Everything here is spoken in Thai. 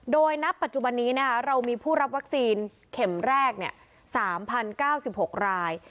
โดยณปัจจุบันนี้เรามีผู้รับวัคซีนเข็มแรก๓๐๙๖ราย